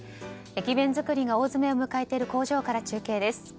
駅弁作りが大詰めを迎えている工場から中継です。